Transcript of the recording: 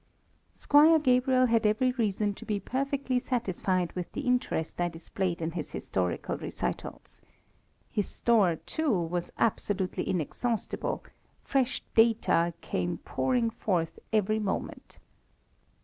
Squire Gabriel had every reason to be perfectly satisfied with the interest I displayed in his historical recitals. His store, too, was absolutely inexhaustible, fresh data came pouring forth every moment.